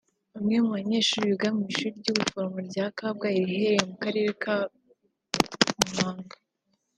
Bamwe mu banyeshuri biga mu Ishuri ry’Ubuforomo rya Kabgayi riherereye mu Karere ka Muhanga